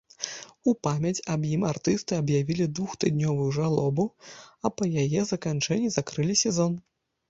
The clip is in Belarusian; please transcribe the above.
У памяць аб ім артысты аб'явілі двухтыднёвую жалобу, а па яе заканчэнні закрылі сезон.